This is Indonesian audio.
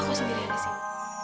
aku sendiri ada sih